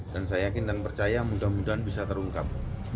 dan saya yakin dan percaya mudah mudahan bisa terungkap